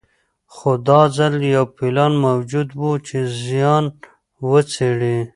خو دا ځل یو پلان موجود و چې زیان وڅېړي.